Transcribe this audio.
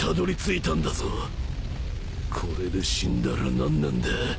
これで死んだら何なんだ？